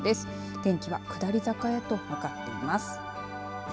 天気は下り坂へと向かっています。